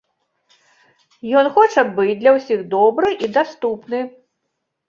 Ён хоча быць для ўсіх добры і даступны.